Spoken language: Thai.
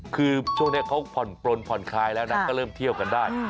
คือช่วงนี้เขาผ่อนปลนผ่อนคลายแล้วนะก็เริ่มเที่ยวกันได้